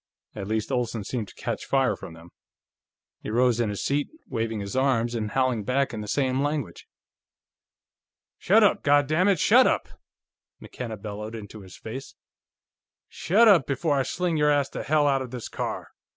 At least, Olsen seemed to catch fire from them. He rose in his seat, waving his arms and howling back in the same language. "Shut up, goddammit, shut up!" McKenna bellowed into his face. "Shut up before I sling your ass to hell out of this car!